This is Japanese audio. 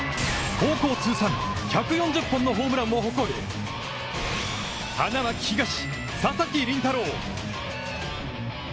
高校通算１４０本のホームランを誇る花巻東・佐々木麟太郎！